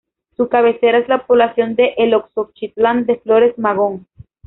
Su cabecera es la población de Eloxochitlán de Flores Magón.